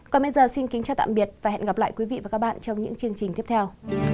còn bây giờ xin kính chào tạm biệt và hẹn gặp lại quý vị và các bạn trong những chương trình tiếp theo